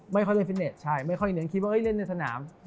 ไม่ค่อยเล่นฟิตเนสคิดว่าเล่นในสนาม